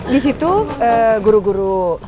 di situ guru guru